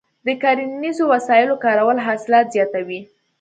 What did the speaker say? د کرنیزو وسایلو کارول حاصلات زیاتوي.